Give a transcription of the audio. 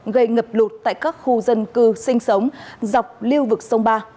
gây ngập lụt tại các khu dân cư sinh sống dọc lưu vực sông ba